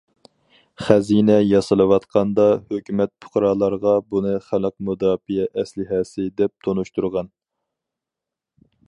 خەزىنە ياسىلىۋاتقاندا، ھۆكۈمەت پۇقرالارغا بۇنى خەلق مۇداپىئە ئەسلىھەسى دەپ تونۇشتۇرغان.